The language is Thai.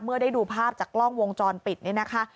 เมื่อได้ดูภาพจากกล้องวงจรปิดนี่นะคะ